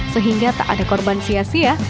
sehingga tak ada korban sia sia